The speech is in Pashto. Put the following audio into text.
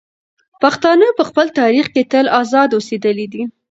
پښتانه په خپل تاریخ کې تل ازاد اوسېدلي دي.